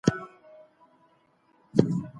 کار ته په صداقت دوام ورکړئ.